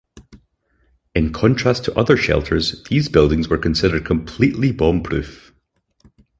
In contrast to other shelters, these buildings were considered completely bomb-proof.